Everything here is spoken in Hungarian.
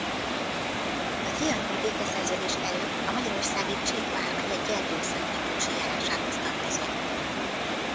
A trianoni békeszerződés előtt a magyarországi Csík vármegye Gyergyószentmiklósi járásához tartozott.